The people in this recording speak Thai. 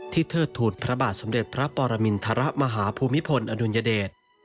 เทิดทูลพระบาทสมเด็จพระปรมินทรมาฮภูมิพลอดุลยเดช